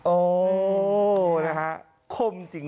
โอ้นะฮะคมจริง